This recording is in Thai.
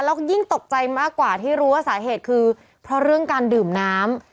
แล้วก็ยิ่งตกใจมากกว่าที่รู้ว่าสาเหตุคือเพราะเรื่องการดื่มน้ำ